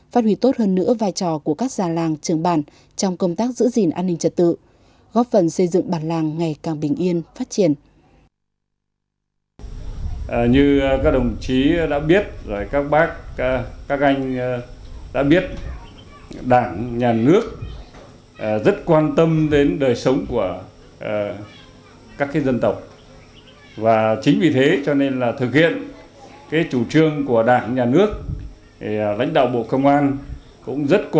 phát huy tốt của các chính sách đền ơn đáp nghĩa của đảng và nhà nước